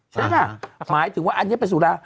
ใช่ไหมหมายถึงว่าอันนี้เป็นสุรา